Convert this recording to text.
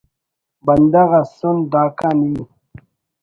بندغ ئسن داکان ای